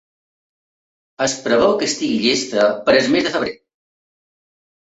Es preveu que estigui llesta per al mes de febrer.